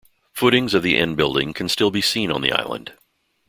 Footings of the inn building can still be seen on the island.